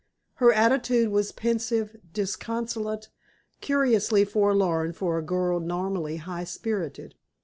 Her attitude was pensive, disconsolate, curiously forlorn for a girl normally high spirited.